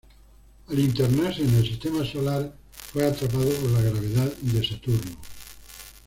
Al internarse en el sistema solar fue atrapado por la gravedad de Saturno.